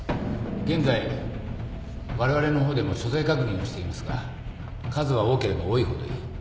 現在われわれの方でも所在確認をしていますが数は多ければ多いほどいい。